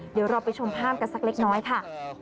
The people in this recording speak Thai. เดี๋ยวเราไปชมภาพกันสักเล็กน้อยค่ะ